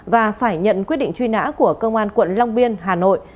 và phải nhận quyết định truy nã của công an quận long biên hà nội